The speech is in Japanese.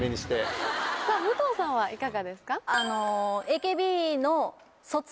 武藤さんはいかがですか？